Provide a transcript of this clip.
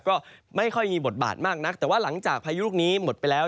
ก็ไม่ค่อยมีบทบาทมากนักแต่ว่าหลังจากพายุลูกนี้หมดไปแล้ว